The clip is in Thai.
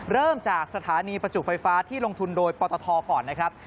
เริ่มจากสถานีประจุไฟฟ้าที่ลงทุนโดยปตทก่อนนะครับ